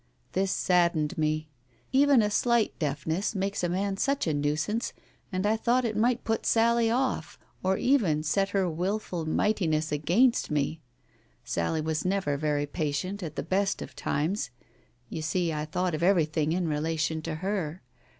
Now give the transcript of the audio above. This saddened me. Even a slight deafness makes a man such a nuisance, and I thought it might put Sally off, or even set her wilful mightiness against me. Sally was never very patient at the best of times. You see I thought of everything in relation to her.